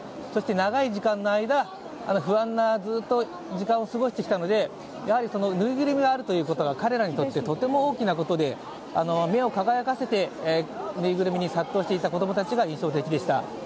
そして長い時間の間不安な時間を過ごしてきたのでぬいぐるみがあるということが、彼らにとってとても大きなことで、目を輝かせてぬいぐるみに殺到していた子供たちが印象的でした。